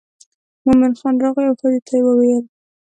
مومن خان راغی او ښځې ته یې وویل.